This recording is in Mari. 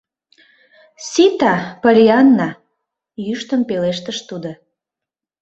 — Сита, Поллианна, — йӱштын пелештыш тудо.